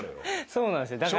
そうなんですよだから。